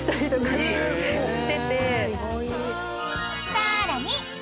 ［さらに］